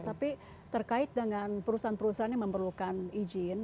tapi terkait dengan perusahaan perusahaan yang memerlukan izin